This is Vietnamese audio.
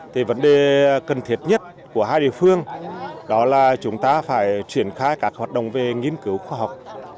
thì vấn đề cần thiết nhất của hai địa phương đó là chúng ta phải triển khai các hoạt động về nghiên cứu khoa học